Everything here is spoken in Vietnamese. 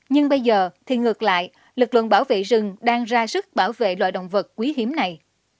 nhưng bây giờ thì ngược lại lực lượng bảo vệ rừng đang ra sức bảo vệ loài động vật quý hiếm này